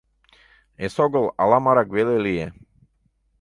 Эсогыл аламарак веле лие.